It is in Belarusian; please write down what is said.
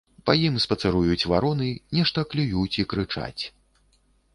Па ім спацыруюць вароны, нешта клююць і крычаць.